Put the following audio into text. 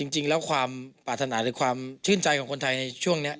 จริงแล้วความปรารถนาหรือความชื่นใจของคนไทยในช่วงนี้